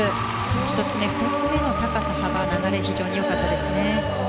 １つ目、２つ目の高さ、幅流れも非常に良かったです。